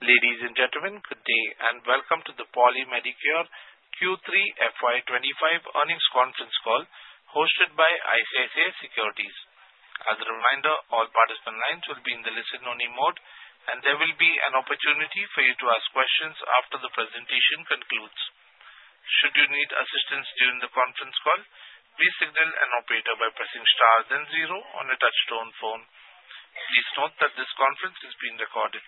Ladies and gentlemen, good day and welcome to the Poly Medicure Q3 FY25 earnings conference call hosted by ICICI Securities. As a reminder, all participant lines will be in the listen-only mode, and there will be an opportunity for you to ask questions after the presentation concludes. Should you need assistance during the conference call, please signal an operator by pressing star then zero on a touch-tone phone. Please note that this conference is being recorded.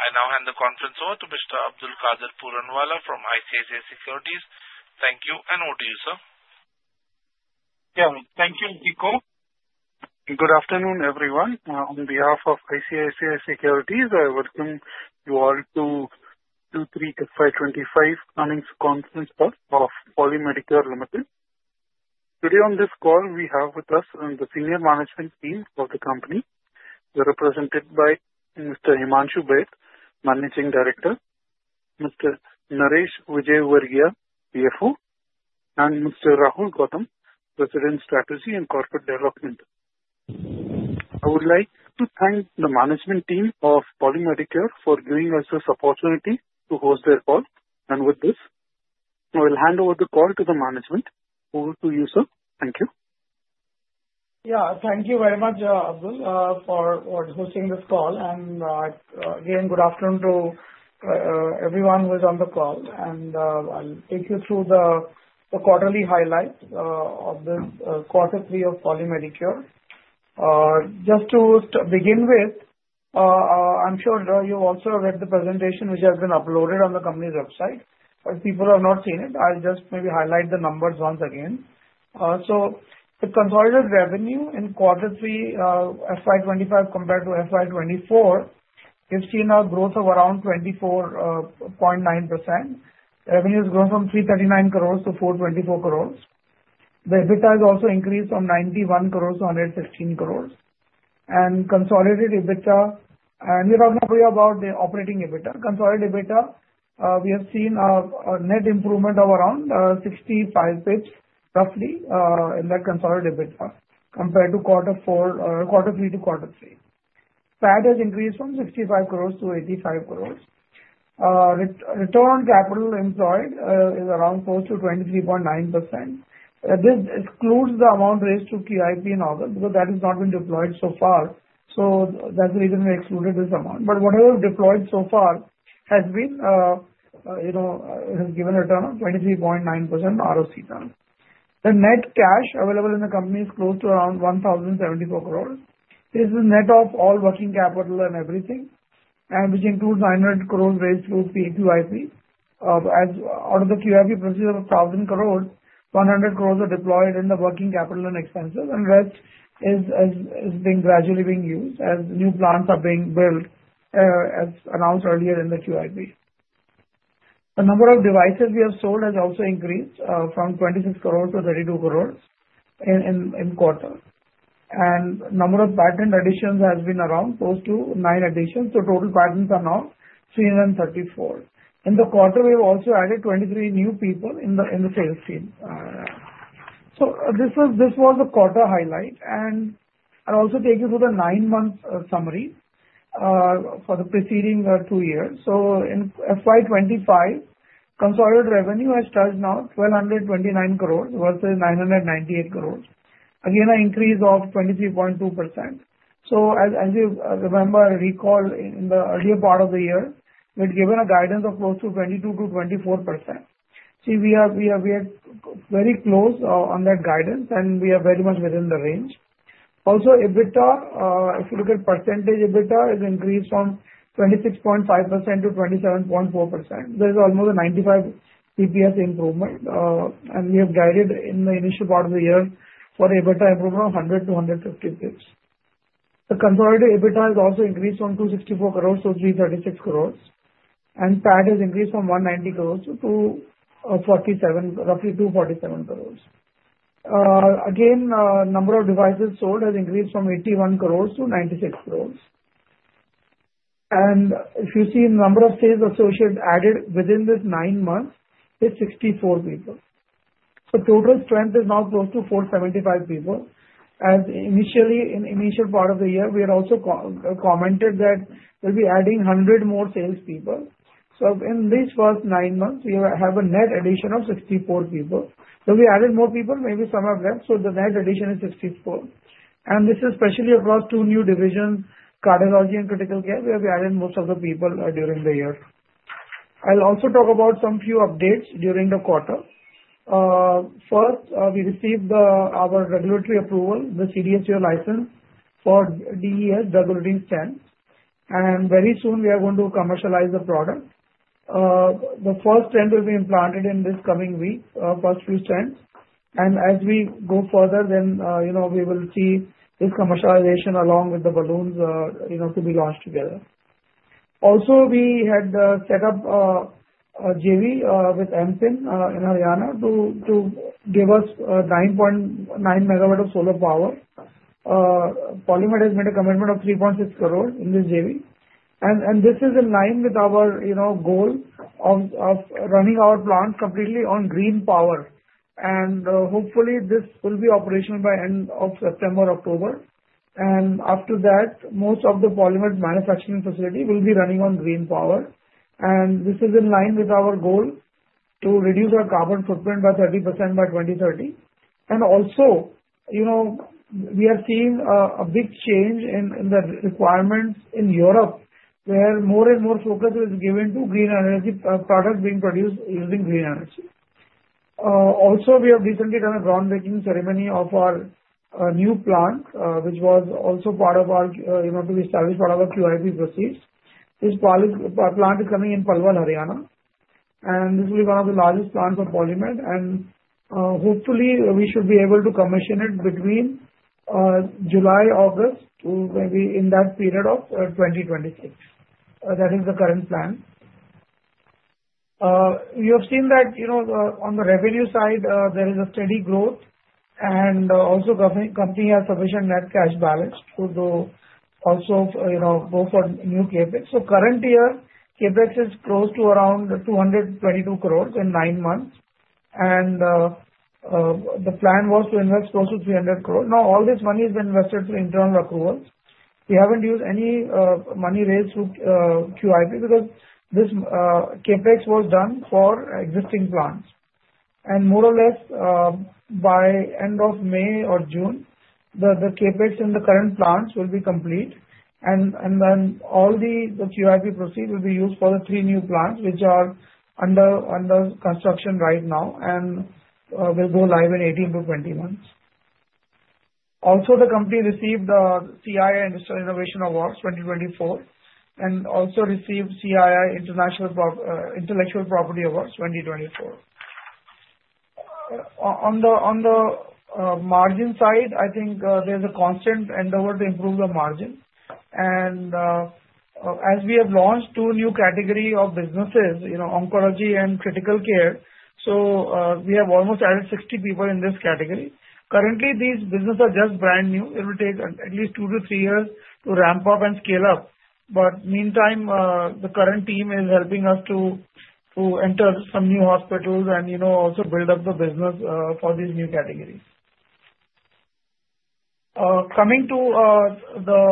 I now hand the conference over to Mr. Abdul Qadir Puranwala from ICICI Securities. Thank you and over to you, sir. Yeah, thank you, Niko. Good afternoon, everyone. On behalf of ICICI Securities, I welcome you all to Q3 FY25 earnings conference call of Poly Medicure Limited. Today on this call, we have with us the senior management team of the company. We are represented by Mr. Himanshu Baid, Managing Director, Mr. Naresh Vijayvargiya, CFO, and Mr. Rahul Gautam, President, Strategy and Corporate Development. I would like to thank the management team of Poly Medicure for giving us this opportunity to host their call. And with this, I will hand over the call to the management. Over to you, sir. Thank you. Yeah, thank you very much, Abdul, for hosting this call. And again, good afternoon to everyone who is on the call. I'll take you through the quarterly highlights of this quarter three of Poly Medicure. Just to begin with, I'm sure you also read the presentation which has been uploaded on the company's website, but people have not seen it. I'll just maybe highlight the numbers once again. The consolidated revenue in quarter three FY25 compared to FY24, we've seen a growth of around 24.9%. Revenue has grown from 339 crores to 424 crores. The EBITDA has also increased from 91 crores to 116 crores. Consolidated EBITDA—and we're talking about the operating EBITDA—consolidated EBITDA, we have seen a net improvement of around 65 basis points, roughly, in that consolidated EBITDA compared to quarter three to quarter three. PAT has increased from 65 crores to 85 crores. Return on capital employed is around close to 23.9%. This excludes the amount raised to QIP in August because that has not been deployed so far. So that's the reason we excluded this amount. But whatever we've deployed so far has given a return of 23.9% ROCE. The net cash available in the company is close to around 1,074 crores. This is net of all working capital and everything, which includes 900 crores raised through QIP. Out of the QIP process of 1,000 crores, 100 crores are deployed in the working capital and expenses, and the rest is gradually being used as new plants are being built, as announced earlier in the QIP. The number of devices we have sold has also increased from 26 crores to 32 crores in quarter, and the number of patent additions has been around close to nine additions. Total patents are now 334. In the quarter, we have also added 23 new people in the sales team. This was the quarter highlight. I'll also take you through the nine-month summary for the preceding two years. In FY25, consolidated revenue has reached 1,229 crores versus 998 crores. Again, an increase of 23.2%. As you remember, recall in the earlier part of the year, we had given a guidance of close to 22%-24%. See, we are very close on that guidance, and we are very much within the range. Also, EBITDA, if you look at percentage, EBITDA has increased from 26.5%-27.4%. There's almost a 95 basis points improvement. We have guided in the initial part of the year for EBITDA improvement of 100 to 150 basis points. The consolidated EBITDA has also increased from 264 crores to 336 crores. PAT has increased from 190 crores to roughly 247 crores. Again, the number of devices sold has increased from 81 crores to 96 crores. If you see the number of sales associates added within this nine months, it's 64 people. So total strength is now close to 475 people. As initially, in the initial part of the year, we had also commented that we'll be adding 100 more salespeople. So in these first nine months, we have a net addition of 64 people. When we added more people, maybe some have left, so the net addition is 64. This is especially across two new divisions, cardiology and critical care, where we added most of the people during the year. I'll also talk about some few updates during the quarter. First, we received our regulatory approval, the CDSCO license for DES / DEB. Very soon, we are going to commercialize the product. The first 10 will be implanted in this coming week, first few 10. As we go further, then we will see this commercialization along with the balloons to be launched together. Also, we had set up a JV with AMPIN in Haryana to give us 9.9 megawatts of solar power. Poly Medic has made a commitment of INR 3.6 crores in this JV. This is in line with our goal of running our plants completely on green power. Hopefully, this will be operational by the end of September, October. After that, most of the Poly Medic manufacturing facility will be running on green power. This is in line with our goal to reduce our carbon footprint by 30% by 2030. And also, we have seen a big change in the requirements in Europe, where more and more focus is given to green energy products being produced using green energy. Also, we have recently done a groundbreaking ceremony of our new plant, which was also part of our, it was established part of our QIP proceeds. This plant is coming in Palwal, Haryana. And this will be one of the largest plants for Polymed. And hopefully, we should be able to commission it between July and August, maybe in that period of 2026. That is the current plan. You have seen that on the revenue side, there is a steady growth. And also, the company has sufficient net cash balance to also go for new CapEx. So current year, CapEx is close to around 222 crores in nine months. And the plan was to invest close to 300 crores. Now, all this money has been invested through internal accrual. We haven't used any money raised through QIP because this CapEx was done for existing plants. And more or less, by the end of May or June, the CapEx in the current plants will be complete. And then all the QIP proceeds will be used for the three new plants, which are under construction right now, and will go live in 18-20 months. Also, the company received the CII Industrial Innovation Awards 2024 and also received CII Intellectual Property Awards 2024. On the margin side, I think there's a constant endeavor to improve the margin. And as we have launched two new categories of businesses, oncology and critical care, so we have almost added 60 people in this category. Currently, these businesses are just brand new. It will take at least two to three years to ramp up and scale up. But in the meantime, the current team is helping us to enter some new hospitals and also build up the business for these new categories. Coming to the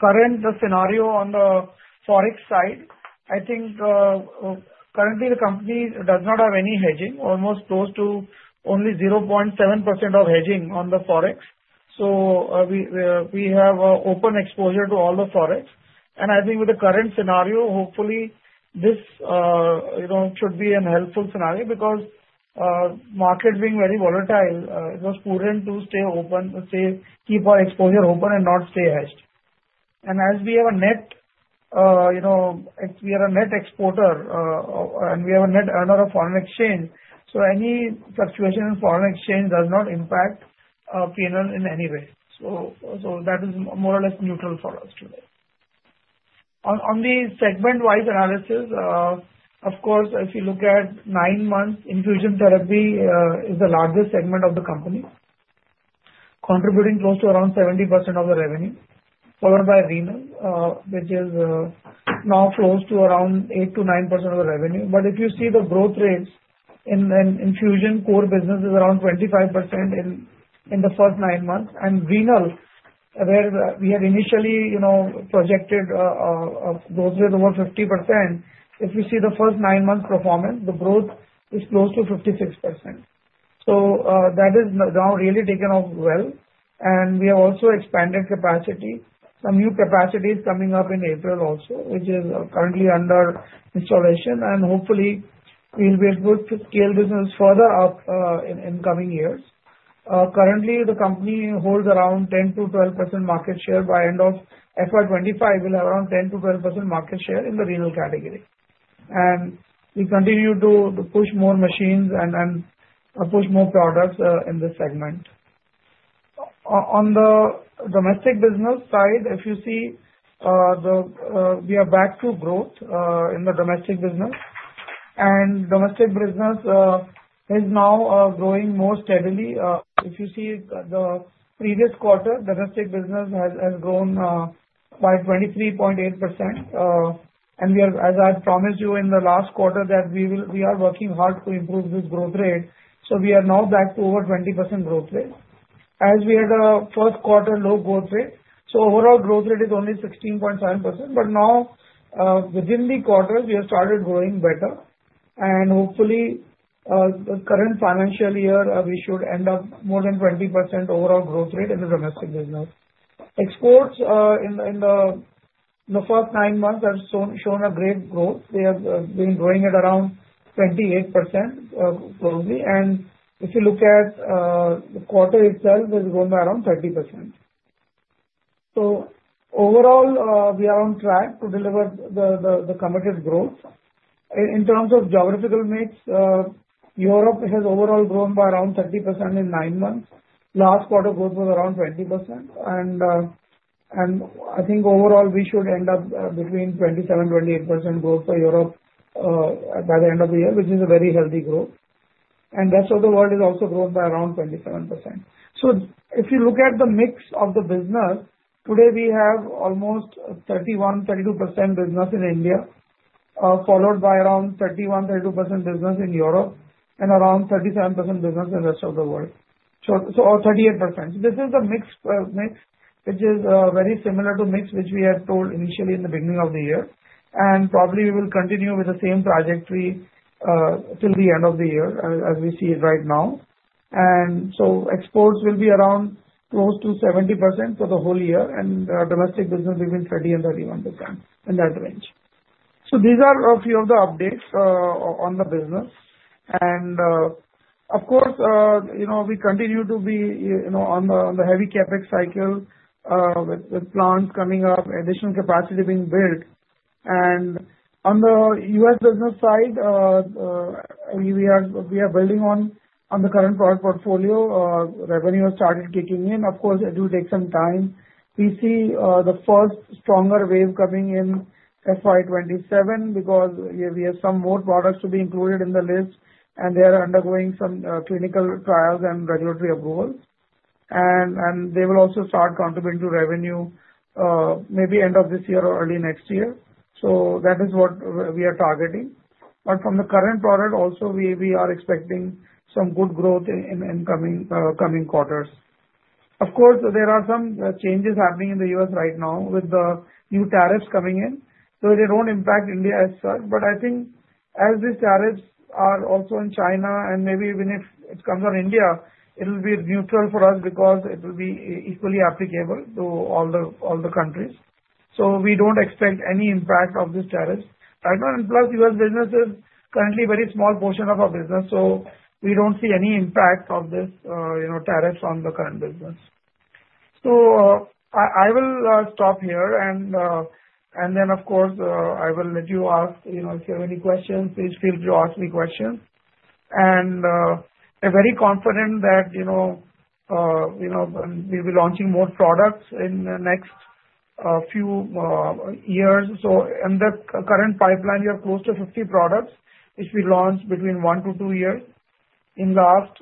current scenario on the forex side, I think currently the company does not have any hedging, almost close to only 0.7% of hedging on the forex. So we have open exposure to all the forex. And I think with the current scenario, hopefully, this should be a helpful scenario because the market is being very volatile. It was prudent to stay open, keep our exposure open, and not stay hedged. And as we have a net. We are a net exporter, and we have a net earner of foreign exchange. So any fluctuation in foreign exchange does not impact P&L in any way. That is more or less neutral for us today. On the segment-wise analysis, of course, if you look at nine months, infusion therapy is the largest segment of the company, contributing close to around 70% of the revenue, followed by renal, which is now close to around 8%-9% of the revenue. But if you see the growth rates in infusion, core business is around 25% in the first nine months. And renal, where we had initially projected a growth rate of over 50%, if you see the first nine months' performance, the growth is close to 56%. So that is now really taken off well. And we have also expanded capacity. Some new capacity is coming up in April also, which is currently under installation. And hopefully, we'll be able to scale business further up in coming years. Currently, the company holds around 10%-12% market share. By the end of FY25, we'll have around 10%-12% market share in the renal category, and we continue to push more machines and push more products in this segment. On the domestic business side, if you see, we are back to growth in the domestic business, and domestic business is now growing more steadily. If you see, the previous quarter, domestic business has grown by 23.8%, and as I promised you in the last quarter, that we are working hard to improve this growth rate, so we are now back to over 20% growth rate. As we had a first quarter low growth rate, so overall growth rate is only 16.7%, but now, within the quarter, we have started growing better. Hopefully, the current financial year, we should end up with more than 20% overall growth rate in the domestic business. Exports in the first nine months have shown a great growth. They have been growing at around 28% globally. If you look at the quarter itself, it has grown by around 30%. So overall, we are on track to deliver the committed growth. In terms of geographical mix, Europe has overall grown by around 30% in nine months. Last quarter, growth was around 20%. I think overall, we should end up between 27% and 28% growth for Europe by the end of the year, which is a very healthy growth. The rest of the world has also grown by around 27%. So if you look at the mix of the business, today, we have almost 31%-32% business in India, followed by around 31%-32% business in Europe, and around 37% business in the rest of the world, or 38%. So this is the mix which is very similar to the mix which we had told initially in the beginning of the year. And probably, we will continue with the same trajectory till the end of the year, as we see it right now. And so exports will be around close to 70% for the whole year. And domestic business will be between 30% and 31% in that range. So these are a few of the updates on the business. And of course, we continue to be on the heavy CapEx cycle with plants coming up, additional capacity being built. And on the U.S. business side, we are building on the current product portfolio. Revenue has started kicking in. Of course, it will take some time. We see the first stronger wave coming in FY27 because we have some more products to be included in the list, and they are undergoing some clinical trials and regulatory approvals, and they will also start contributing to revenue maybe at the end of this year or early next year, so that is what we are targeting, but from the current product, also, we are expecting some good growth in coming quarters. Of course, there are some changes happening in the U.S. right now with the new tariffs coming in, so they don't impact India as such. But I think as these tariffs are also in China and maybe even if it comes on India, it will be neutral for us because it will be equally applicable to all the countries. So we don't expect any impact of these tariffs right now. And plus, U.S. business is currently a very small portion of our business. So we don't see any impact of these tariffs on the current business. So I will stop here. And then, of course, I will let you ask. If you have any questions, please feel free to ask me questions. And I'm very confident that we will be launching more products in the next few years. So in the current pipeline, we have close to 50 products, which we launched between one to two years. In the last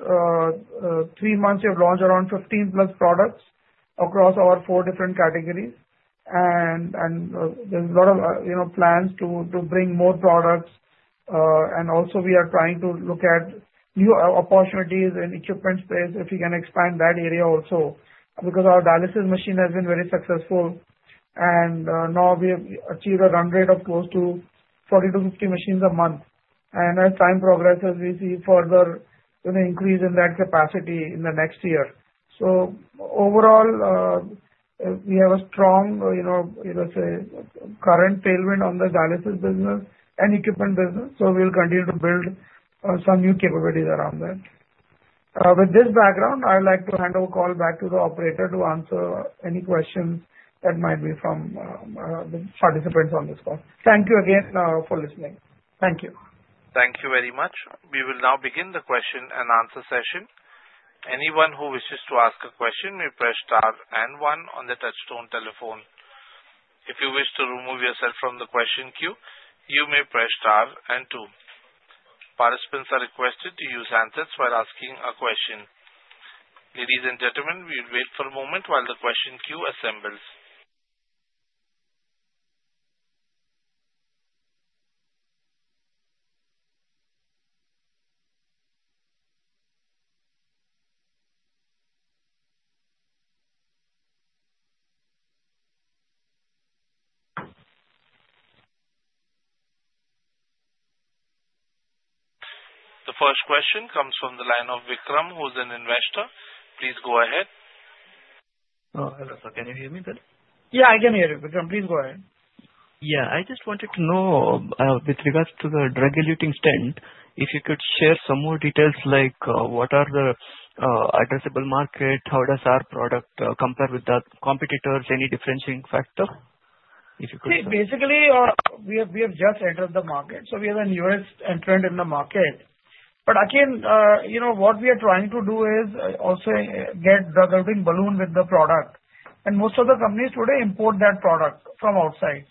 three months, we have launched around 15 plus products across our four different categories. And there's a lot of plans to bring more products. Also, we are trying to look at new opportunities in the equipment space if we can expand that area also because our dialysis machine has been very successful. Now, we have achieved a run rate of close to 40-50 machines a month. As time progresses, we see further increase in that capacity in the next year. So overall, we have a strong, let's say, current tailwind on the dialysis business and equipment business. So we'll continue to build some new capabilities around that. With this background, I'd like to hand over the call back to the operator to answer any questions that might be from the participants on this call. Thank you again for listening. Thank you. Thank you very much. We will now begin the question and answer session. Anyone who wishes to ask a question may press star and one on the touch-tone telephone. If you wish to remove yourself from the question queue, you may press star and two. Participants are requested to use handsets while asking a question. Ladies and gentlemen, we will wait for a moment while the question queue assembles. The first question comes from the line of Vikram, who is an investor. Please go ahead. Hello. Can you hear me, sir? Yeah, I can hear you, Vikram. Please go ahead. Yeah. I just wanted to know, with regards to the drug-eluting stent, if you could share some more details, like what are the addressable market, how does our product compare with the competitors, any differentiating factor, if you could? See, basically, we have just entered the market. So we have a newest entrant in the market. But again, what we are trying to do is also get drug-eluting balloon with the product. And most of the companies today import that product from outside.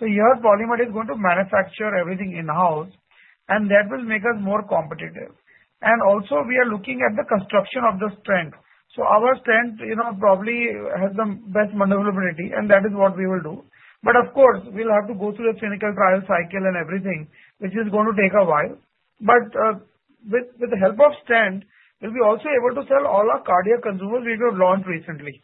So here, Polymed is going to manufacture everything in-house. And that will make us more competitive. And also, we are looking at the construction of the stent. So our stent probably has the best maneuverability. And that is what we will do. But of course, we'll have to go through the clinical trial cycle and everything, which is going to take a while. But with the help of stent, we'll be also able to sell all our cardiac consumables we have launched recently,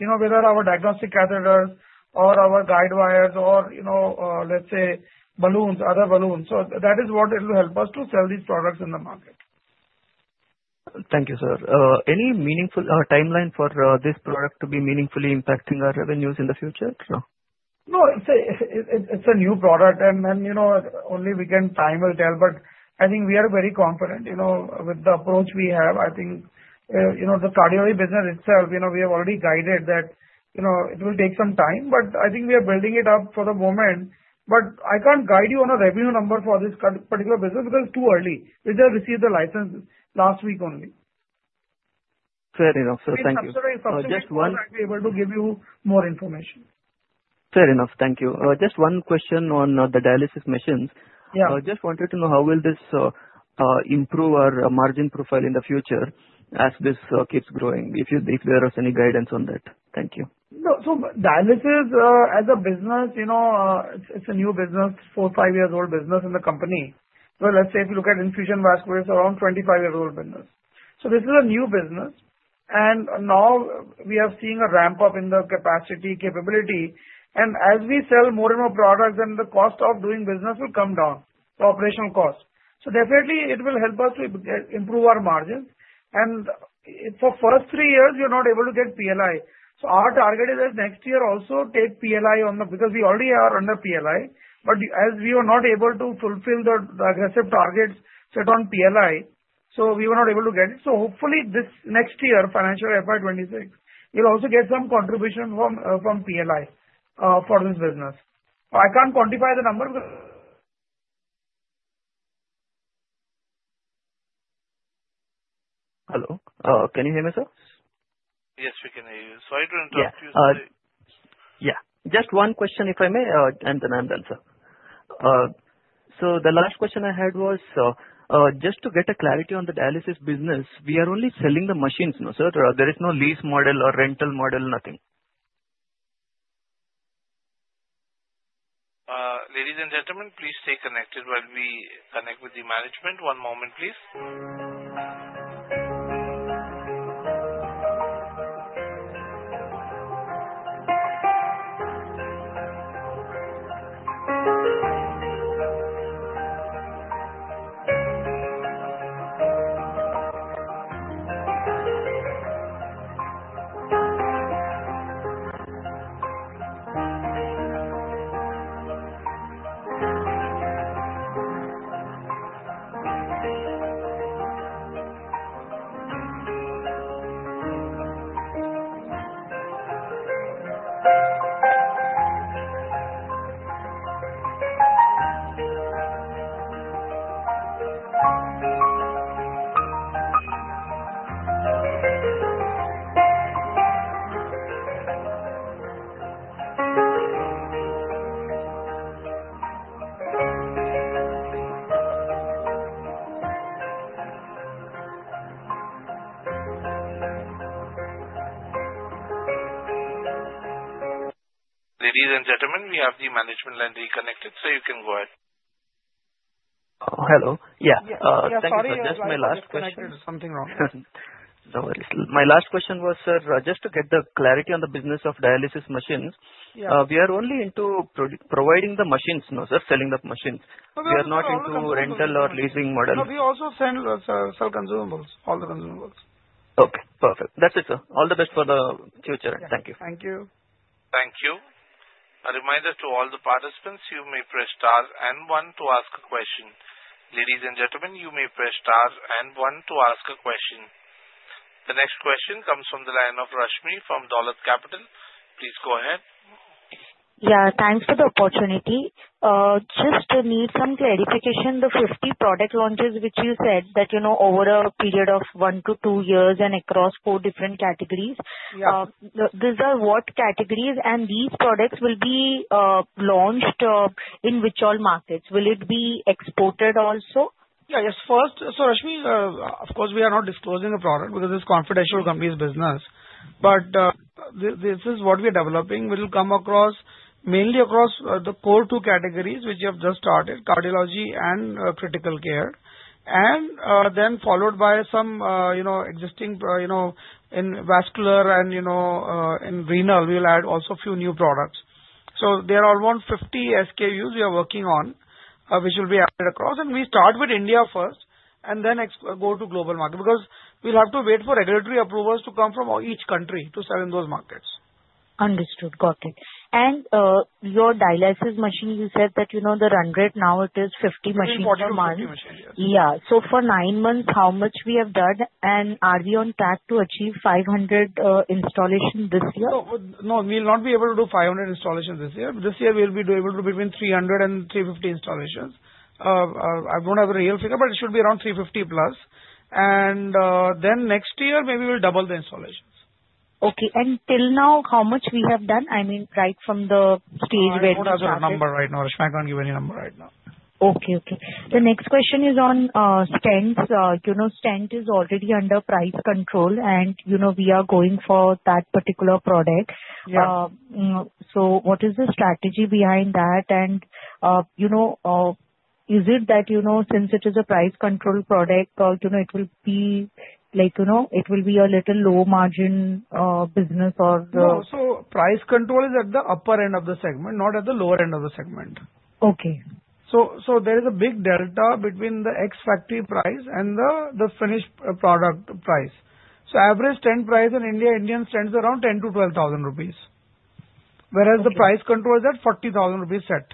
whether our diagnostic catheters or our guide wires or, let's say, balloons, other balloons. So that is what will help us to sell these products in the market. Thank you, sir. Any meaningful timeline for this product to be meaningfully impacting our revenues in the future? No, it's a new product, and only time will tell, but I think we are very confident with the approach we have. I think the cardiac business itself, we have already guided that it will take some time, but I think we are building it up for the moment, but I can't guide you on a revenue number for this particular business because it's too early. We just received the license last week only. Fair enough. So thank you. So just one, I'll be able to give you more information. Fair enough. Thank you. Just one question on the dialysis machines. I just wanted to know how will this improve our margin profile in the future as this keeps growing, if there is any guidance on that. Thank you. So, dialysis as a business, it's a new business, four or five years old business in the company. So, let's say if you look at infusion and vasculars, around 25 years old business. So, this is a new business. And now, we are seeing a ramp-up in the capacity and capability. And as we sell more and more products, then the cost of doing business will come down, the operational cost. So, definitely, it will help us to improve our margins. And for the first three years, we are not able to get PLI. So, our target is next year also to take PLI on this because we already are under PLI. But as we were not able to fulfill the aggressive targets set on PLI, so we were not able to get it. So, hopefully, this next year, financial year FY26, we'll also get some contribution from PLI for this business. I can't quantify the number because. Hello? Can you hear me, sir? Yes, we can hear you. Sorry to interrupt you. Yeah. Just one question, if I may, and then I'll answer. So the last question I had was just to get clarity on the dialysis business. We are only selling the machines, sir. There is no lease model or rental model, nothing. Ladies and gentlemen, please stay connected while we connect with the management. One moment, please. Ladies and gentlemen, we have the management line reconnected. So you can go ahead. Hello. Yeah. Thank you, sir. Just my last question. Something wrong. No worries. My last question was, sir, just to get the clarity on the business of dialysis machines. We are only into providing the machines, selling the machines. We are not into rental or leasing model. We also sell consumables, all the consumables. Okay. Perfect. That's it, sir. All the best for the future. Thank you. Thank you. Thank you. A reminder to all the participants, you may press star and one to ask a question. Ladies and gentlemen, you may press star and one to ask a question. The next question comes from the line of Rashmi from Dolat Capital. Please go ahead. Yeah. Thanks for the opportunity. Just need some clarification. The 50 product launches which you said that over a period of one to two years and across four different categories, these are what categories? And these products will be launched in which all markets? Will it be exported also? Yeah. So Rashmi, of course, we are not disclosing the product because it's confidential company's business. But this is what we are developing. We will come mainly across the core two categories which we have just started, cardiology and critical care, and then followed by some existing in vascular and in renal. We will add also a few new products, so there are around 50 SKUs we are working on, which will be added across, and we start with India first and then go to global market because we'll have to wait for regulatory approvals to come from each country to sell in those markets. Understood. Got it. And your dialysis machine, you said that the run rate now, it is 50 machines per month. 50 machines, yes. Yeah. So for nine months, how much we have done? And are we on track to achieve 500 installations this year? No. We will not be able to do 500 installations this year. This year, we'll be able to do between 300 and 350 installations. I don't have a real figure, but it should be around 350 plus. And then next year, maybe we'll double the installations. Okay. And till now, how much we have done? I mean, right from the stage where this. I don't have a number right now. Rashmi, I can't give any number right now. Okay. Okay. The next question is on stents. Stent is already under price control, and we are going for that particular product. So what is the strategy behind that? And is it that since it is a price-controlled product, it will be like it will be a little low-margin business or? No. So price control is at the upper end of the segment, not at the lower end of the segment. So there is a big delta between the ex-factory price and the finished product price. So average stent price in India, Indian stents, is around 10,000-12,000 rupees, whereas the price control is at 40,000 rupees set.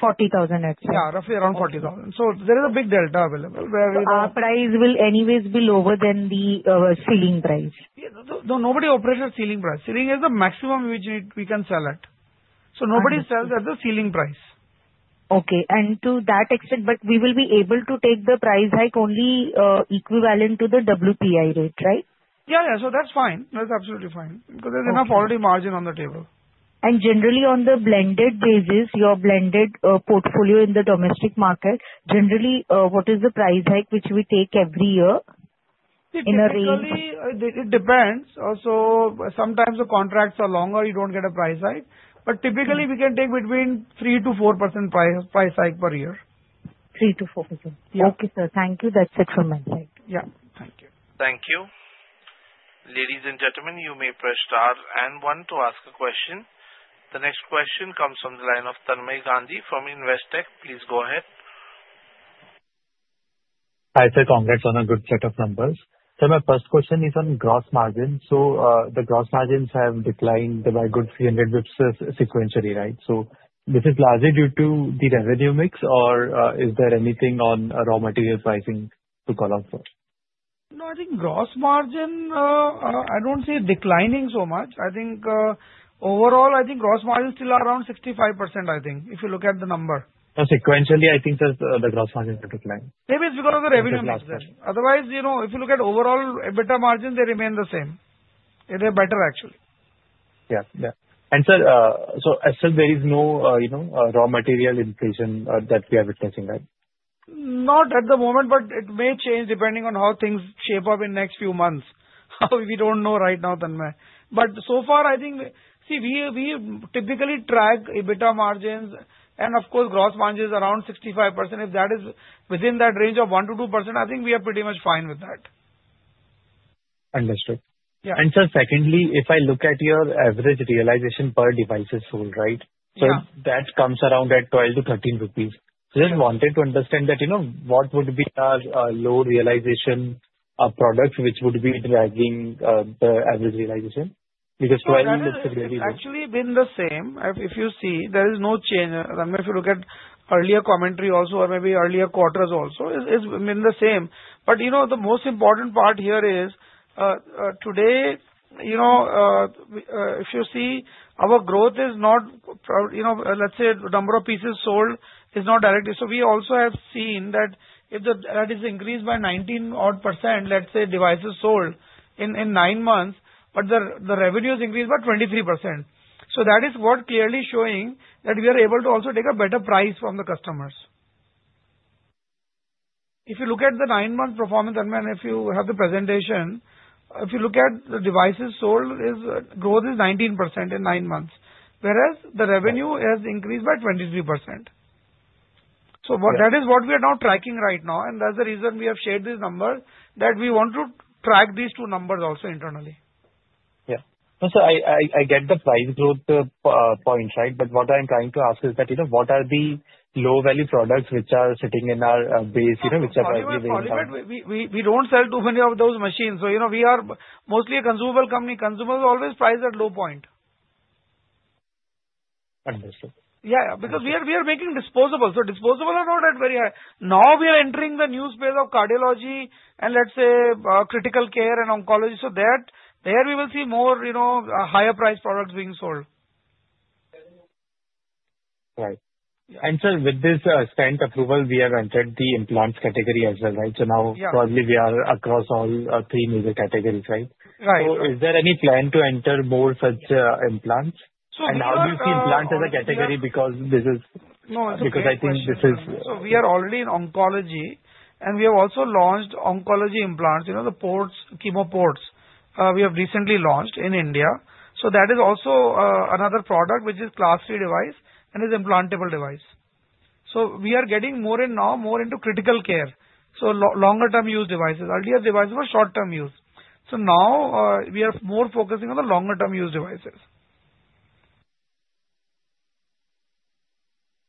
40,000 at stents. Yeah. Roughly around 40,000. So there is a big delta available where we will. Our price will anyways be lower than the ceiling price. Nobody operates at ceiling price. Ceiling is the maximum which we can sell at. So nobody sells at the ceiling price. Okay. And to that extent, but we will be able to take the price hike only equivalent to the WPI rate, right? Yeah. Yeah. So that's fine. That's absolutely fine because there's enough already margin on the table. And generally, on the blended basis, your blended portfolio in the domestic market, generally, what is the price hike which we take every year in a range? It depends. Also, sometimes the contracts are longer. You don't get a price hike. But typically, we can take between 3% to 4% price hike per year. 3%-4%. Okay, sir. Thank you. That's it from my side. Yeah. Thank you. Thank you. Ladies and gentlemen, you may press star and one to ask a question. The next question comes from the line of Tanmay Gandhi from Investec. Please go ahead. Hi, sir. Congrats on a good set of numbers. Sir, my first question is on gross margin. So the gross margins have declined by a good 300 basis points sequentially, right? No. I think gross margin, I don't see it declining so much. I think overall, I think gross margin is still around 65%, I think, if you look at the number. Sequentially, I think the gross margin has declined. Maybe it's because of the revenue mix. Otherwise, if you look at overall EBITDA margin, they remain the same. They're better, actually. Yeah. Yeah. And sir, so as such, there is no raw material inflation that we are witnessing, right? Not at the moment, but it may change depending on how things shape up in the next few months. We don't know right now, Tanmay. But so far, I think see, we typically track EBITDA margins and, of course, gross margins around 65%. If that is within that range of 1%-2%, I think we are pretty much fine with that. Understood. And sir, secondly, if I look at your average realization per device is sold, right? So that comes around at 12-13 rupees. So just wanted to understand that what would be our low realization product which would be dragging the average realization because 12 looks really low. Actually, it's been the same. If you see, there is no change. If you look at earlier commentary also or maybe earlier quarters also, it's been the same, but the most important part here is today, if you see, our growth is not, let's say, the number of pieces sold is not directly. So we also have seen that if that is increased by 19 odd %, let's say, devices sold in nine months, but the revenue has increased by 23%. So that is what clearly showing that we are able to also take a better price from the customers. If you look at the nine-month performance, Tanmay, and if you have the presentation, if you look at the devices sold, growth is 19% in nine months, whereas the revenue has increased by 23%. So that is what we are now tracking right now. And that's the reason we have shared these numbers that we want to track these two numbers also internally. Yeah. And sir, I get the price growth points, right? But what I'm trying to ask is that what are the low-value products which are sitting in our base, which are price-related? We don't sell too many of those machines. So we are mostly a consumable company. Consumables always price at low point. Understood. Yeah. Because we are making disposable. So disposable are not at very high. Now, we are entering the new space of cardiology and, let's say, critical care and oncology. So there we will see more higher-priced products being sold. Right. And sir, with this stent approval, we have entered the implants category as well, right? So now, probably, we are across all three major categories, right? So is there any plan to enter more such implants? And how do you see implants as a category? Because this is— No. Because I think this is— So we are already in oncology, and we have also launched oncology implants, the chemo ports. We have recently launched in India. So that is also another product which is class three device and is implantable device. So we are getting more in now, more into critical care. So longer-term use devices. Earlier, devices were short-term use. So now, we are more focusing on the longer-term use devices.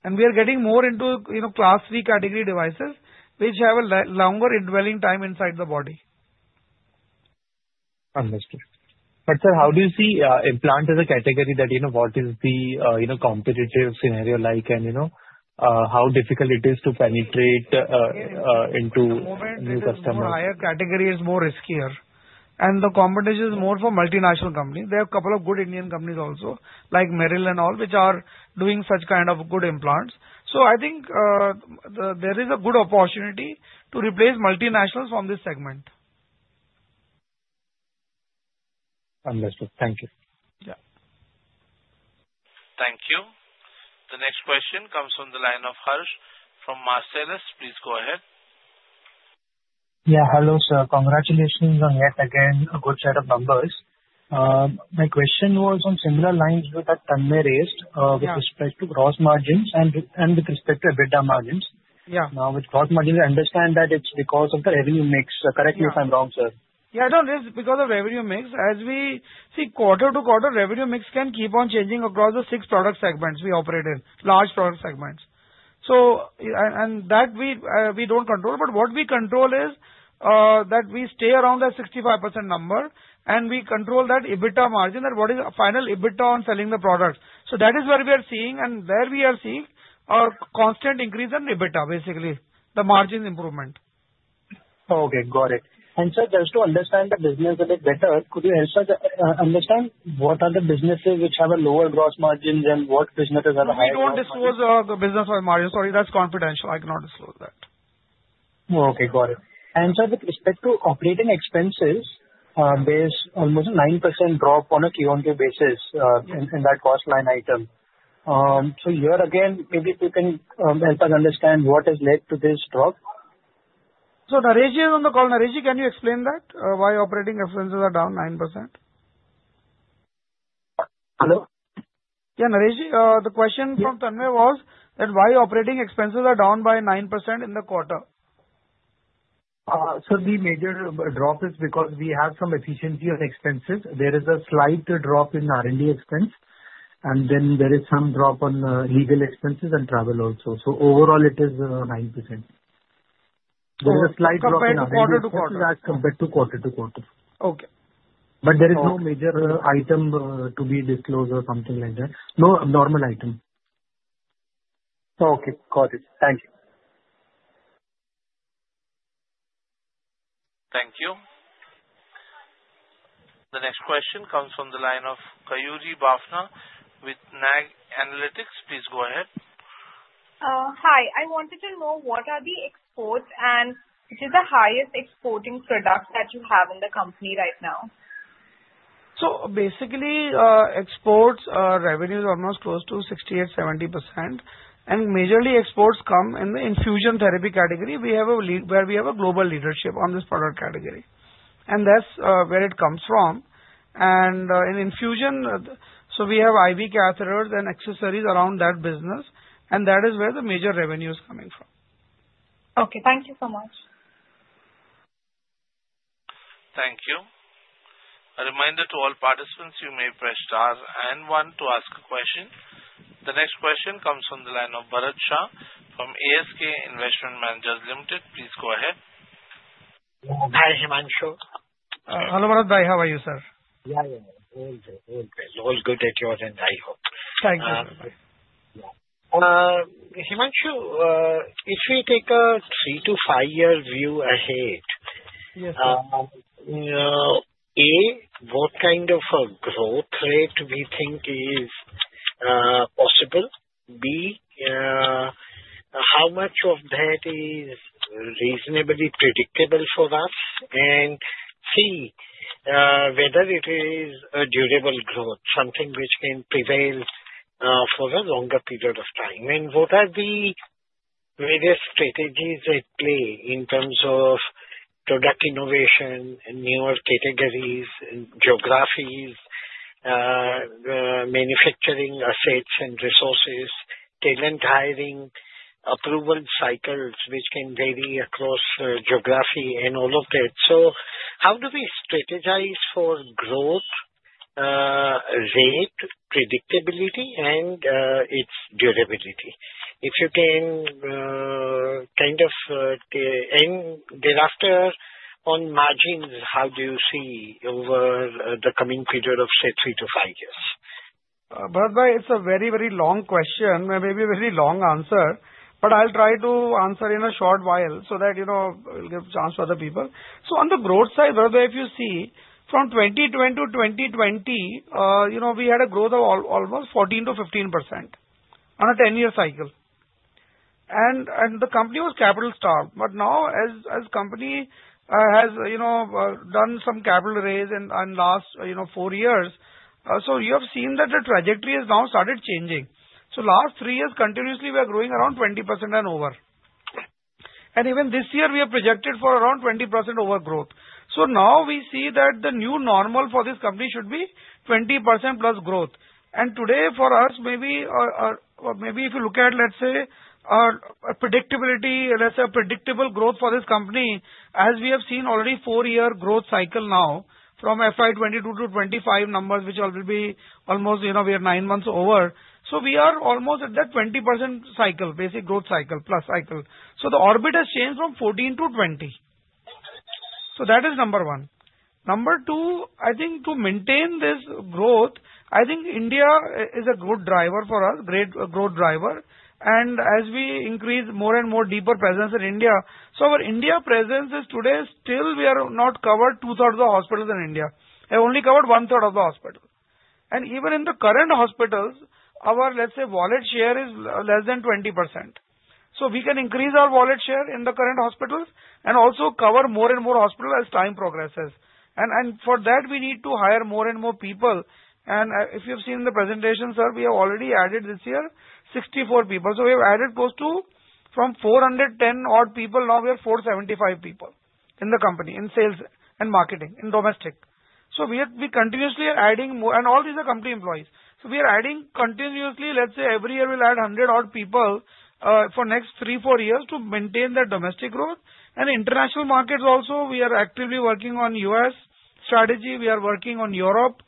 And we are getting more into class three category devices which have a longer indwelling time inside the body. Understood. But, sir, how do you see implant as a category that what is the competitive scenario like and how difficult it is to penetrate into new customers? The higher category is more riskier. And the competition is more for multinational companies. There are a couple of good Indian companies also, like Meril and all, which are doing such kind of good implants. So I think there is a good opportunity to replace multinationals from this segment. Understood. Thank you. Yeah. Thank you. The next question comes from the line of Harsh from Marcellus. Please go ahead. Yeah. Hello, sir. Congratulations on yet again a good set of numbers. My question was on similar lines with what Tanmay raised with respect to gross margins and with respect to EBITDA margins. Now, with gross margins, I understand that it's because of the revenue mix. Correct me if I'm wrong, sir. Yeah. It's because of revenue mix. As we see, quarter to quarter, revenue mix can keep on changing across the six product segments we operate in, large product segments. And that we don't control. But what we control is that we stay around that 65% number, and we control that EBITDA margin, that what is final EBITDA on selling the product. So that is where we are seeing, and there we are seeing a constant increase in EBITDA, basically, the margin improvement. Okay. Got it. And sir, just to understand the business a bit better, could you help us understand what are the businesses which have a lower gross margin than what businesses are higher gross margin? We don't disclose the business margin. Sorry, that's confidential. I cannot disclose that. Okay. Got it. Sir, with respect to operating expenses, there's almost a 9% drop on a Q1 basis in that cost line item. So here again, maybe if you can help us understand what has led to this drop. So Nareshji is on the call. Nareshji, can you explain that? Why operating expenses are down 9%? Hello? Yeah. Nareshji, the question from Tanmay was that why operating expenses are down by 9% in the quarter. So the major drop is because we have some efficiency on expenses. There is a slight drop in R&D expense, and then there is some drop on legal expenses and travel also. So overall, it is 9%. There is a slight drop in R&D expenses as compared to quarter to quarter. But there is no major item to be disclosed or something like that. No abnormal item. Okay. Got it. Thank you. Thank you. The next question comes from the line of Gayuri Bhavna with Nag Analytics. Please go ahead. Hi. I wanted to know what are the exports and which is the highest exporting product that you have in the company right now? So basically, exports revenue is almost close to 68-70%. And majorly, exports come in the infusion therapy category, where we have a global leadership on this product category. And that's where it comes from. And in infusion, so we have IV catheters and accessories around that business, and that is where the major revenue is coming from. Okay. Thank you so much. Thank you. A reminder to all participants, you may press star and one to ask a question. The next question comes from the line of Bharat Shah from ASK Investment Managers Limited. Please go ahead. Hi, Himanshu. Hello, Bharat bhai. How are you, sir? Yeah. Yeah. All good. All good. All good at your end, I hope. Thank you. Himanshu, if we take a three to five-year view ahead, A, what kind of a growth rate do we think is possible? B, how much of that is reasonably predictable for us? And C, whether it is a durable growth, something which can prevail for a longer period of time. And what are the various strategies at play in terms of product innovation and newer categories and geographies, manufacturing assets and resources, talent hiring, approval cycles which can vary across geography, and all of that? So how do we strategize for growth rate, predictability, and its durability? If you can kind of, and thereafter, on margins, how do you see over the coming period of, say, three to five years? Bharat bhai, it's a very, very long question and maybe a very long answer, but I'll try to answer in a short while so that we'll give a chance to other people. So on the growth side, Bharat bhai, if you see, from 2020 to 2020, we had a growth of almost 14%-15% on a 10-year cycle. And the company was capital stock. But now, as the company has done some capital raise in the last four years, so you have seen that the trajectory has now started changing. So last three years, continuously, we are growing around 20% and over. And even this year, we have projected for around 20% overgrowth. So now, we see that the new normal for this company should be 20% plus growth. And today, for us, maybe if you look at, let's say, a predictability, let's say, a predictable growth for this company, as we have seen already four-year growth cycle now from FY 2022 to 2025 numbers, which will be almost, we are nine months over. So we are almost at that 20% cycle, basic growth cycle plus cycle. So the orbit has changed from 14%-20%. So that is number one. Number two, I think to maintain this growth, I think India is a good driver for us, great growth driver. And as we increase more and more deeper presence in India, so our India presence is today, still we are not covered two-thirds of the hospitals in India. We have only covered one-third of the hospitals. And even in the current hospitals, our, let's say, wallet share is less than 20%. So we can increase our wallet share in the current hospitals and also cover more and more hospitals as time progresses. And for that, we need to hire more and more people. And if you have seen the presentation, sir, we have already added this year 64 people. So we have added close to from 410 odd people, now we are 475 people in the company in sales and marketing in domestic. So we continuously are adding more, and all these are company employees. So we are adding continuously. Let's say every year we'll add 100 odd people for next three, four years to maintain that domestic growth. And international markets also, we are actively working on U.S. strategy. We are working on Europe.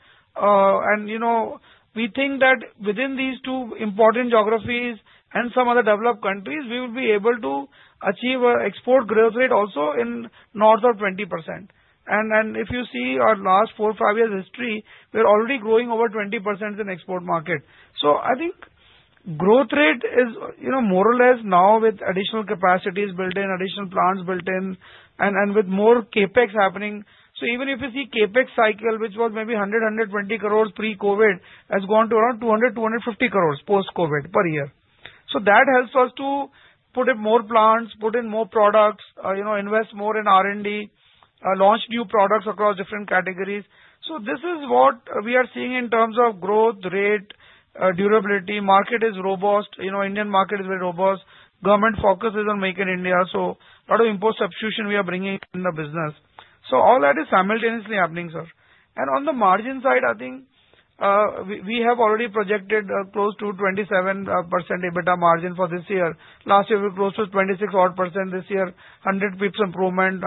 We think that within these two important geographies and some other developed countries, we will be able to achieve an export growth rate also in north of 20%. If you see our last four, five years history, we are already growing over 20% in export market. Growth rate is more or less now with additional capacities built in, additional plants built in, and with more CapEx happening. Even if you see CapEx cycle, which was maybe 100 crores-120 crores pre-COVID, has gone to around 200-250 crores post-COVID per year. That helps us to put in more plants, put in more products, invest more in R&D, launch new products across different categories. This is what we are seeing in terms of growth rate, durability. Market is robust. Indian market is very robust. Government focuses on Make in India. So a lot of import substitution we are bringing in the business. So all that is simultaneously happening, sir. And on the margin side, I think we have already projected close to 27% EBITDA margin for this year. Last year, we were close to 26 odd % this year, 100-150 basis points improvement.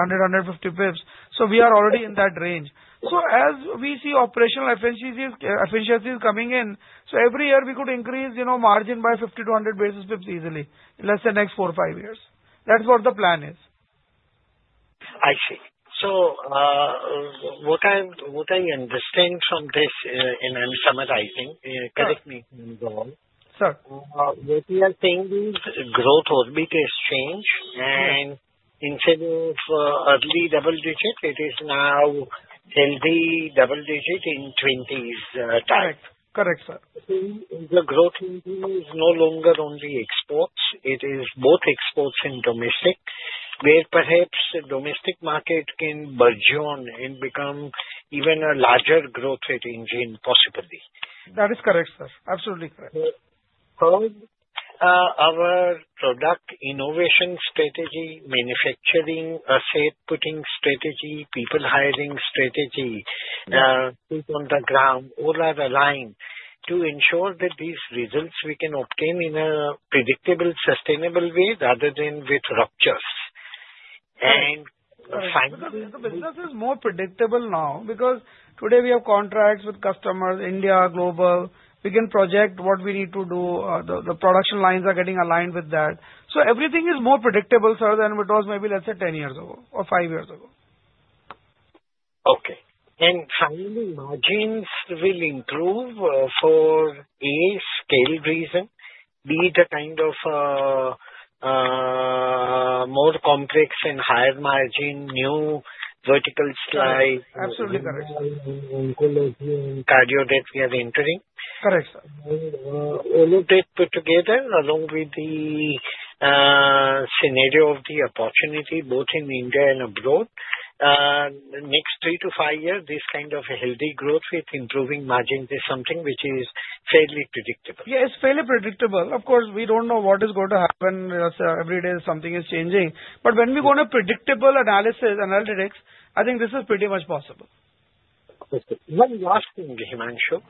So we are already in that range. So as we see operational efficiencies coming in, so every year we could increase margin by 50-100 basis points easily, let's say next four, five years. That's what the plan is. I see. So what I'm understanding from this, and I'm summarizing, correct me if I'm wrong. Sir? What we are saying is growth orbit has changed, and instead of early double digit, it is now healthy double digit in 20s type. Correct. Correct, sir. The growth rate is no longer only exports. It is both exports and domestic, where perhaps the domestic market can burgeon and become even a larger growth rate engine possibly. That is correct, sir. Absolutely correct. So our product innovation strategy, manufacturing asset putting strategy, people hiring strategy, foot on the ground, all are aligned to ensure that these results we can obtain in a predictable, sustainable way rather than with ruptures. And finally, the business is more predictable now because today we have contracts with customers, India, global. We can project what we need to do. The production lines are getting aligned with that. So everything is more predictable, sir, than it was maybe, let's say, 10 years ago or five years ago. Okay. And finally, margins will improve for a scale reason, be it a kind of more complex and higher margin, new vertical style. Absolutely correct. Cardio that we are entering. Correct, sir. All of that put together along with the scenario of the opportunity both in India and abroad, next three to five years, this kind of healthy growth with improving margins is something which is fairly predictable. Yeah. It's fairly predictable. Of course, we don't know what is going to happen. Every day, something is changing. But when we go on a predictable analysis, analytics, I think this is pretty much possible. One last thing, Himanshu.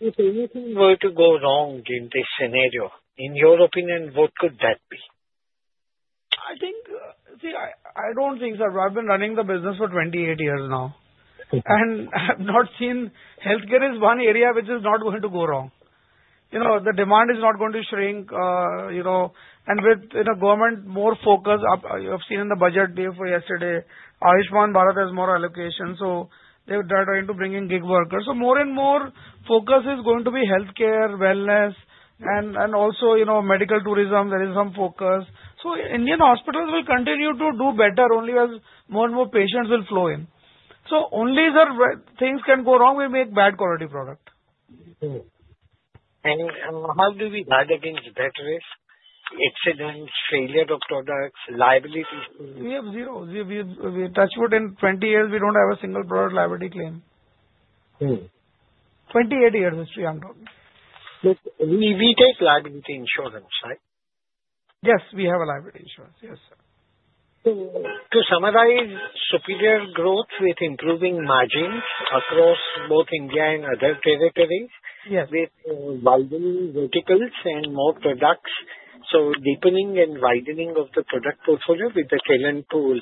If anything were to go wrong in this scenario, in your opinion, what could that be? I think, see, I don't think so. I've been running the business for 28 years now, and I've not seen healthcare is one area which is not going to go wrong. The demand is not going to shrink, and with government more focus, you have seen in the budget, the day before yesterday, Ayushman Bharat has more allocation. So they are trying to bring in gig workers. So more and more focus is going to be healthcare, wellness, and also medical tourism. There is some focus. So Indian hospitals will continue to do better only as more and more patients will flow in. So only if things can go wrong, we make bad quality product. And how do we target inventories, accidents, failure of products, liability? We have zero. We touch wood in 20 years, we don't have a single product liability claim. 28 years history, I'm talking. We take liability insurance, right? Yes. We have a liability insurance. Yes, sir. To summarize, superior growth with improving margins across both India and other territories with widening verticals and more products. So deepening and widening of the product portfolio with the talent pool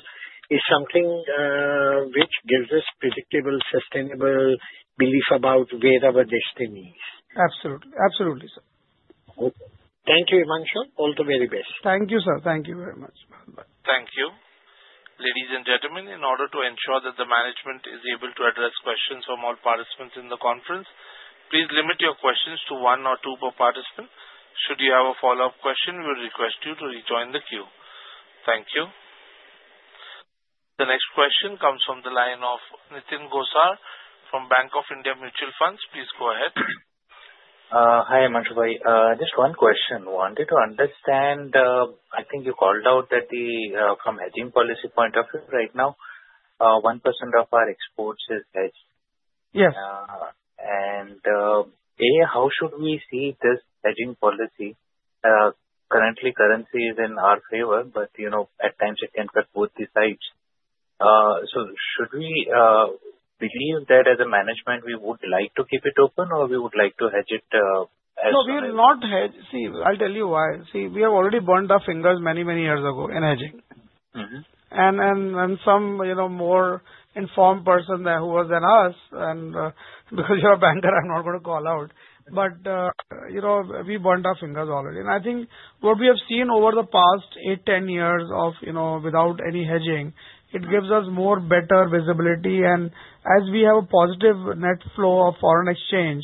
is something which gives us predictable, sustainable belief about where our destiny is. Absolutely. Absolutely, sir. Okay. Thank you, Himanshu. All the very best. Thank you, sir. Thank you very much. Thank you. Ladies and gentlemen, in order to ensure that the management is able to address questions from all participants in the conference, please limit your questions to one or two per participant. Should you have a follow-up question, we will request you to rejoin the queue. Thank you. The next question comes from the line of Nitin Gosar from Bank of India Mutual Funds. Please go ahead. Hi, Himanshu. Just one question. Wanted to understand, I think you called out that from hedging policy point of view, right now, 1% of our exports is hedged. And A, how should we see this hedging policy? Currently, currency is in our favor, but at times, it can cut both the sides. Should we believe that as a management, we would like to keep it open, or we would like to hedge it as? No, we will not hedge. See, I'll tell you why. See, we have already burned our fingers many, many years ago in hedging. And some more informed person who was than us, and because you're a banker, I'm not going to call out. But we burned our fingers already. And I think what we have seen over the past 8-10 years without any hedging, it gives us more better visibility. And as we have a positive net flow of foreign exchange,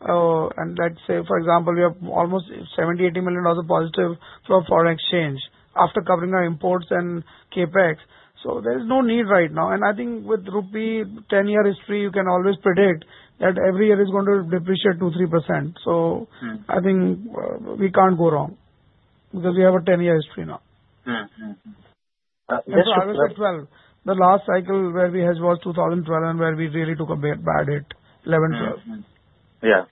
and let's say, for example, we have almost $70 million-$80 million of positive flow of foreign exchange after covering our imports and CapEx. So there is no need right now. And I think with rupee 10-year history, you can always predict that every year is going to depreciate 2-3%. So I think we can't go wrong because we have a 10-year history now. No, no. The last cycle where we hedged was 2012, and where we really took a bad hit, 11, 12. Yeah.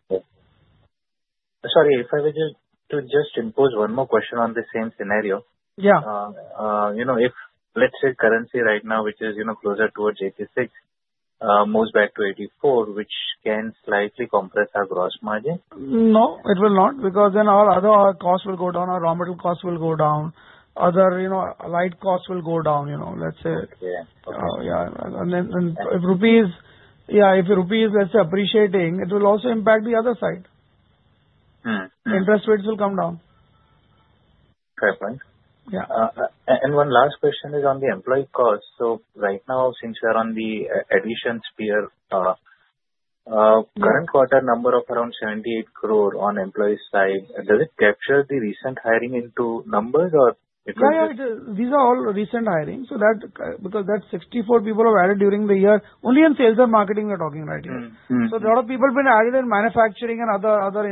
Sorry. If I were to just impose one more question on the same scenario. Yeah. If, let's say, currency right now, which is closer towards 86, moves back to 84, which can slightly compress our gross margin? No, it will not because then all other costs will go down. Our raw material costs will go down. Other like costs will go down, let's say. Yeah. Yeah. And then if rupees, yeah, if rupees, let's say, appreciating, it will also impact the other side. Interest rates will come down. Fair point. And one last question is on the employee cost. So right now, since we are on the expansion phase, current quarter number of around 78 crore on employee side, does it capture the recent hiring into numbers or? Yeah. These are all recent hiring. So because that's 64 people who have added during the year, only in sales and marketing we're talking right here. So a lot of people have been added in manufacturing and other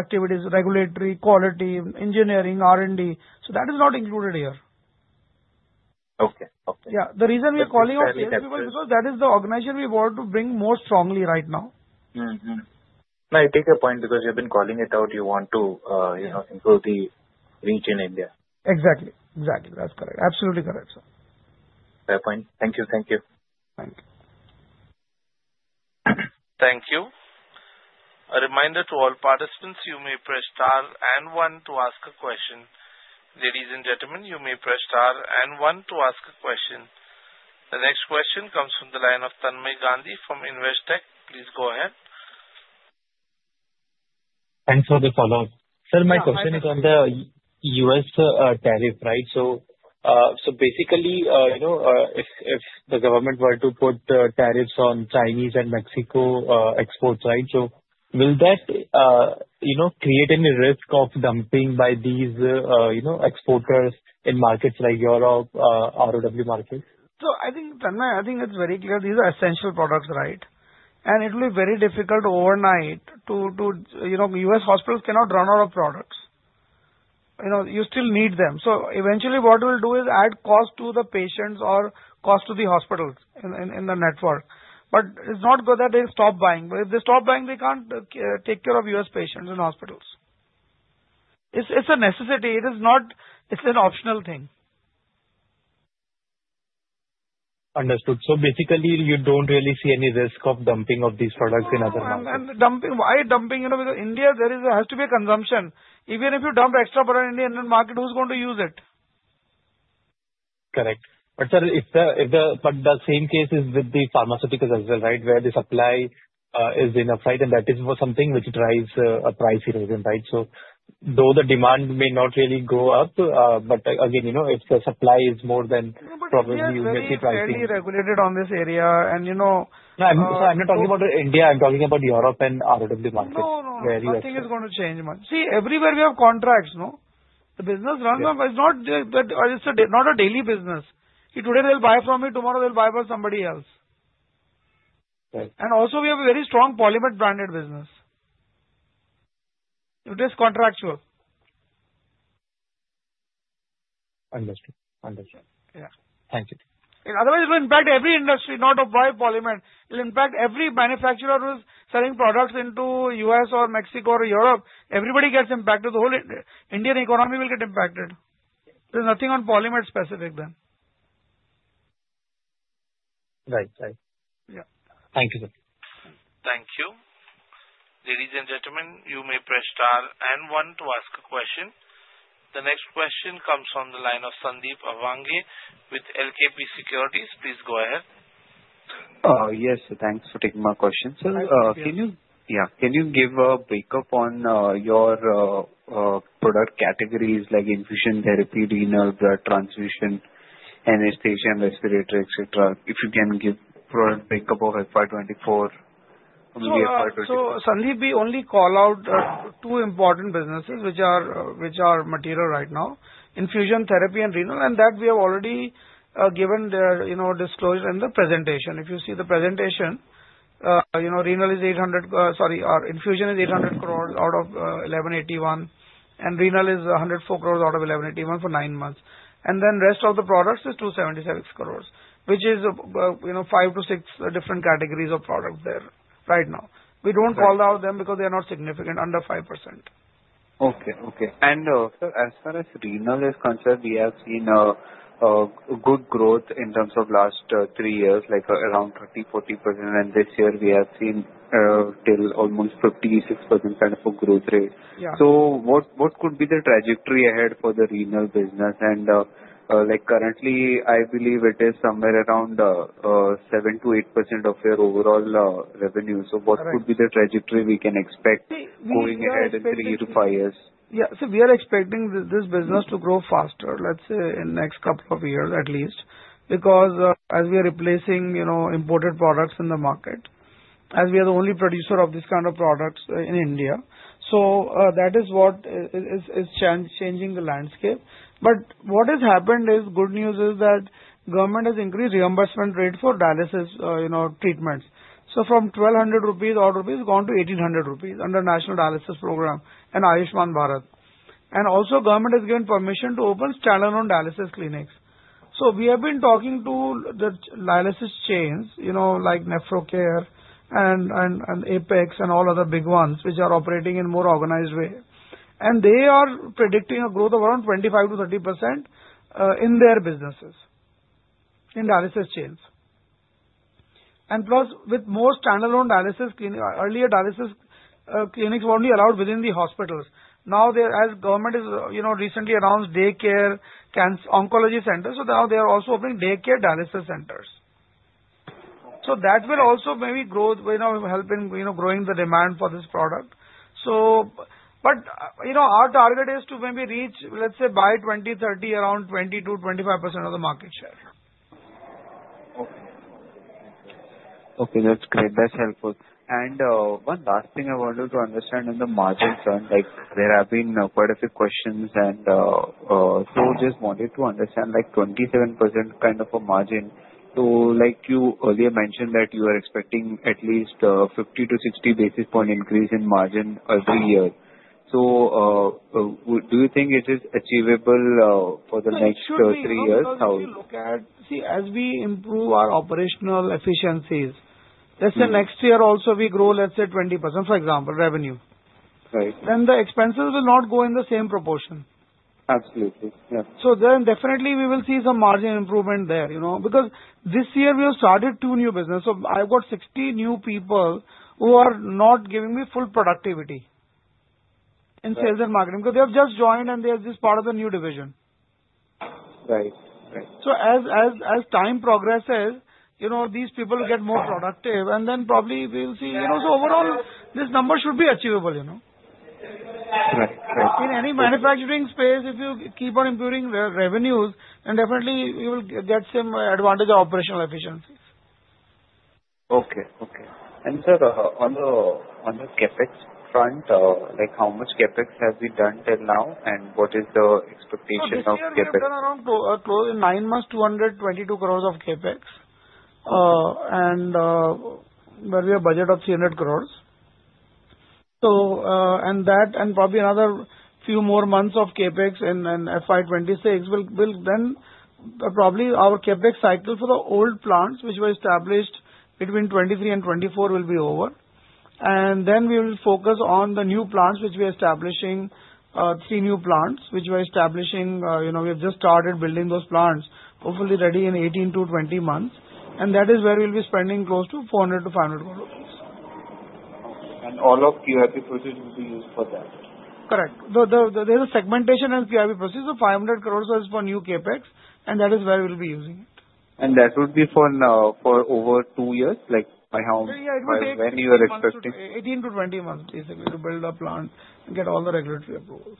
activities, regulatory, quality, engineering, R&D. So that is not included here. Okay. Okay. Yeah. The reason we are calling out to these people is because that is the organization we want to bring more strongly right now. No, I take your point because you have been calling it out. You want to improve the reach in India. Exactly. Exactly. That's correct. Absolutely correct, sir. Fair point. Thank you. Thank you. Thank you. Thank you. A reminder to all participants, you may press star and one to ask a question. Ladies and gentlemen, you may press star and one to ask a question. The next question comes from the line of Tanmay Gandhi from Investec. Please go ahead. Thanks for the follow-up. Sir, my question is on the U.S. tariff, right? So basically, if the government were to put tariffs on Chinese and Mexican exports, right, so will that create any risk of dumping by these exporters in markets like Europe, ROW markets? So I think, Tanmay, I think it's very clear these are essential products, right? And it will be very difficult overnight. U.S. hospitals cannot run out of products. You still need them. So eventually, what we'll do is add cost to the patients or cost to the hospitals in the network. But it's not good that they stop buying. But if they stop buying, they can't take care of U.S. patients and hospitals. It's a necessity. It's an optional thing. Understood. So basically, you don't really see any risk of dumping of these products in other markets? And dumping, why dumping? Because India, there has to be a consumption. Even if you dump extra product in the Indian market, who's going to use it? Correct. But sir, if the same case is with the pharmaceuticals as well, right, where the supply is inflated, and that is something which drives a price erosion, right? So though the demand may not really go up, but again, if the supply is more, then probably U.S. pricing. Nobody's really regulated in this area. And so I'm not talking about India. I'm talking about Europe and ROW markets. No, no. Nothing is going to change much. See, everywhere we have contracts. The business runs on. It's not a daily business. Today they'll buy from me. Tomorrow, they'll buy from somebody else. And also, we have a very strong polymer branded business. It is contractual. Understood. Understood. Yeah. Thank you. Otherwise, it will impact every industry, not apply polymer. It will impact every manufacturer who's selling products into U.S. or Mexico or Europe. Everybody gets impacted. The whole Indian economy will get impacted. There's nothing on polymer specific then. Right. Right. Yeah. Thank you, sir. Thank you. Ladies and gentlemen, you may press star and one to ask a question. The next question comes from the line of Sandeep Abhange with LKP Securities. Please go ahead. Yes. Thanks for taking my question, sir. Can you give a breakup on your product categories like infusion therapy, renal, blood transmission, anesthesia, and respiratory, etc.? If you can give product breakup of FY24. Sandeep, we only call out two important businesses which are material right now, infusion therapy and renal, and that we have already given disclosure in the presentation. If you see the presentation, renal is 800 crores, sorry, or infusion is 800 crores out of 1,181 crores, and renal is 104 crores out of 1,181 crores for nine months. And then rest of the products is 276 crores, which is five to six different categories of products there right now. We don't call out them because they are not significant under 5%. Okay. Okay. And sir, as far as renal is concerned, we have seen good growth in terms of last three years, like around 30%-40%, and this year we have seen till almost 56% kind of a growth rate. So what could be the trajectory ahead for the renal business? And currently, I believe it is somewhere around 7%-8% of your overall revenue. So what could be the trajectory we can expect going ahead in three to five years? Yeah. So we are expecting this business to grow faster, let's say, in the next couple of years at least, because as we are replacing imported products in the market, as we are the only producer of this kind of products in India. So that is what is changing the landscape. But what has happened is good news is that government has increased reimbursement rate for dialysis treatments. So from 1,200 rupees, rate has gone to 1,800 rupees under National Dialysis Program and Ayushman Bharat. And also, government has given permission to open standalone dialysis clinics. So we have been talking to the dialysis chains like NephroCare and Apex and all other big ones which are operating in a more organized way. And they are predicting a growth of around 25%-30% in their businesses, in dialysis chains. And plus, with more standalone dialysis clinics, earlier dialysis clinics were only allowed within the hospitals. Now, as government has recently announced daycare, oncology centers, so now they are also opening daycare dialysis centers. So that will also maybe grow, help in growing the demand for this product. But our target is to maybe reach, let's say, by 2030, around 20%-25% of the market share. Okay. Okay. That's great. That's helpful. And one last thing I wanted to understand in the margin front, there have been quite a few questions, and so just wanted to understand 27% kind of a margin. So, you earlier mentioned that you are expecting at least 50-60 basis point increase in margin every year. So, do you think it is achievable for the next three years? How? See, as we improve our operational efficiencies, let's say next year also we grow, let's say, 20%, for example, revenue. Then the expenses will not go in the same proportion. Absolutely. Yeah. So then definitely we will see some margin improvement there because this year we have started two new businesses. So I've got 60 new people who are not giving me full productivity in sales and marketing because they have just joined and they are just part of the new division. Right. Right. So as time progresses, these people will get more productive, and then probably we will see. So overall, this number should be achievable. In any manufacturing space, if you keep on improving revenues, then definitely you will get some advantage of operational efficiencies. Okay. Okay. And sir, on the CapEx front, how much CapEx have we done till now, and what is the expectation of CapEx? We have done around nine months, 222 crores of CapEx, and we have a budget of 300 crores. And that and probably another few more months of CapEx and FY26 will then probably our CapEx cycle for the old plants, which were established between 2023 and 2024, will be over. And then we will focus on the new plants, which we are establishing three new plants. We have just started building those plants, hopefully ready in 18 to 20 months. And that is where we'll be spending close to 400 crores-500 crores rupees. And all of the QIP proceeds will be used for that? Correct. There is a segmentation in QIP proceeds. So 500 crores is for new CapEx, and that is where we'll be using it. And that would be for over two years? For how many years are you expecting? 18 to 20 months, basically, to build a plant and get all the regulatory approvals.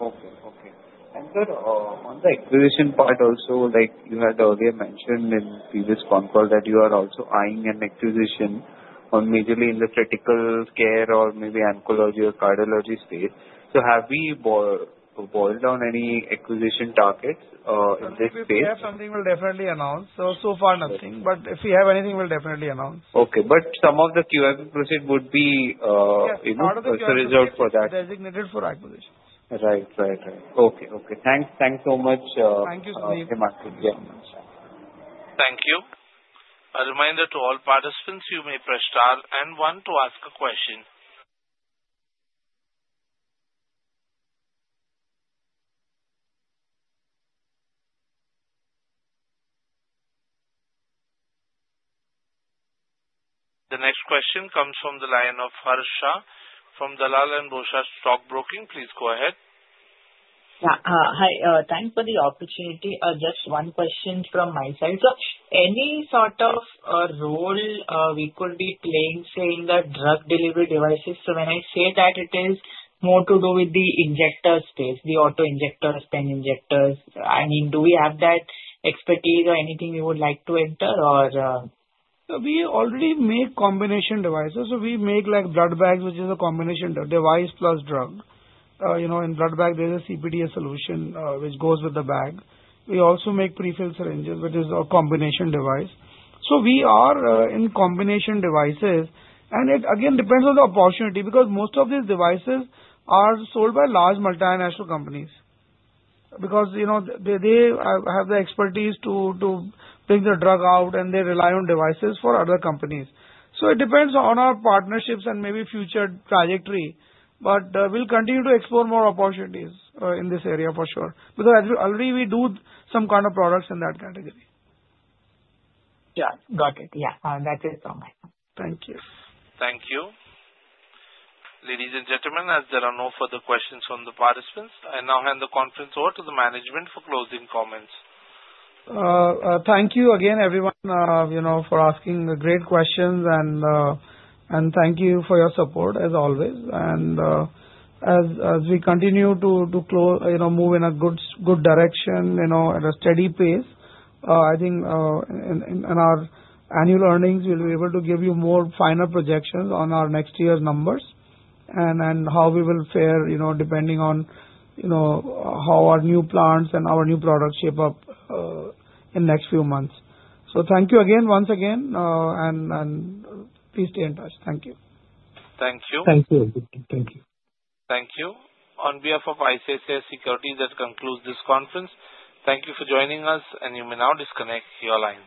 Okay. Okay. And sir, on the acquisition part also, you had earlier mentioned in previous con call that you are also eyeing an acquisition mainly in the critical care or maybe oncology or cardiology space. So have we boiled down any acquisition targets in this space? We have something we'll definitely announce. So far, nothing. But if we have anything, we'll definitely announce. Okay. But some of the QIP proceeds would be reserved for that? Yes. A lot of the QIP is designated for acquisitions. Right. Right. Right. Okay. Thanks. Thanks so much. Thank you, Sandeep. Thank you. A reminder to all participants, you may press star and one to ask a question. The next question comes from the line of Harsha from Dalal & Broacha Stock Broking, please go ahead. Hi. Thanks for the opportunity. Just one question from my side. So any sort of role we could be playing, say, in the drug delivery devices? So when I say that, it is more to do with the injector space, the auto injectors, pen injectors. I mean, do we have that expertise or anything we would like to enter, or? So we already make combination devices. So we make blood bags, which is a combination device plus drug. In blood bag, there is a CPDA solution which goes with the bag. We also make prefilled syringes, which is a combination device. So we are in combination devices. And it, again, depends on the opportunity because most of these devices are sold by large multinational companies because they have the expertise to bring the drug out, and they rely on devices for other companies. So it depends on our partnerships and maybe future trajectory. But we'll continue to explore more opportunities in this area, for sure, because already we do some kind of products in that category. Yeah. Got it. Yeah. That is all my questions. Thank you. Thank you. Ladies and gentle men, as there are no further questions from the participants, I now hand the conference over to the management for closing comments. Thank you again, everyone, for asking great questions. And thank you for your support, as always. And as we continue to move in a good direction at a steady pace, I think in our annual earnings, we'll be able to give you more final projections on our next year's numbers and how we will fare depending on how our new plants and our new products shape up in the next few months. So thank you again, once again. And please stay in touch. Thank you. Thank you. Thank you. Thank you. Thank you. On behalf of ICICI Securities, that concludes this conference. Thank you for joining us, and you may now disconnect. Your line.